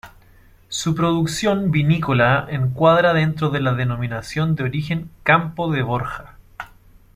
Su producción vinícola en encuadra dentro de la Denominación de Origen "Campo de Borja".